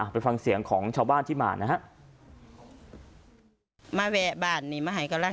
ไปฟังเสียงของชาวบ้านที่มานะฮะ